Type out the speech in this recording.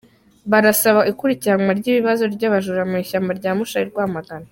Barasaba ikurikiranwa ry’ikibazo cy’abajura mu ishyamba rya Musha i Rwamagana.